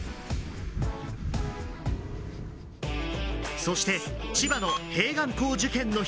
そして千葉の併願校受験の日。